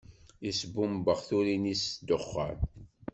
Isbumbex turin-is s ddexxan.